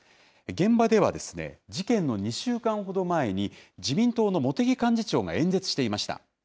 現場では、事件の２週間ほど前に、自民党の茂木幹事長が演説していました。